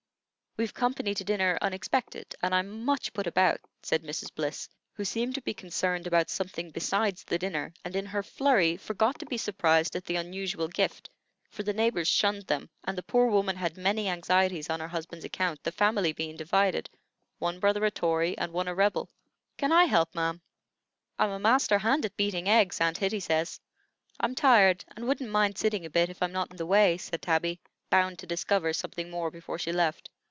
We've company to dinner unexpected, and I'm much put about," said Mrs. Bliss, who seemed to be concerned about something besides the dinner, and in her flurry forgot to be surprised at the unusual gift; for the neighbors shunned them, and the poor woman had many anxieties on her husband's account, the family being divided, one brother a Tory, and one a Rebel. "Can I help, ma'am? I'm a master hand at beating eggs, Aunt Hitty says. I'm tired, and wouldn't mind sitting a bit if I'm not in the way," said Tabby, bound to discover something more before she left.